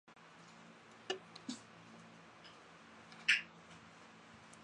小普莱朗人口变化图示